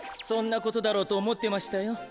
そんなことだろうとおもってましたよ。